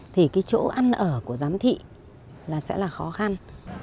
thì cái chỗ ăn ở của giám thị là sẽ là khó khăn